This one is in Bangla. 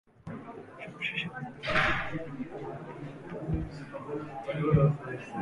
সবশেষে বিভ্রান্তিকর পরিস্থিতির কারণে তিনি মৃত্যুবরণ করেন।